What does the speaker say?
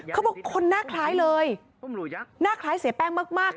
เขาบอกคนหน้าคล้ายเลยหน้าคล้ายเสียแป้งมาก